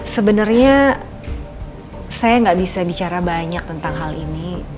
sebenarnya saya nggak bisa bicara banyak tentang hal ini